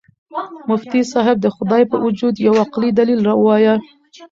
مفتي صاحب د خدای په وجود یو عقلي دلیل ووایه.